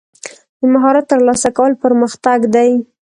د مهارت ترلاسه کول پرمختګ دی.